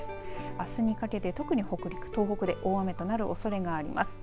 あすにかけて特に北陸、東北で大雨となるおそれがあります。